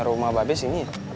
rumah babes ini ya